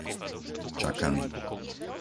Čakany